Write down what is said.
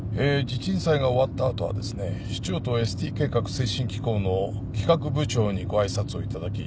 地鎮祭が終わった後はですね市長とＳＴ計画推進機構の企画部長にご挨拶をいただき